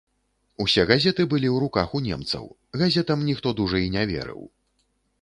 Усе газеты былі ў руках у немцаў, газетам ніхто дужа і не верыў.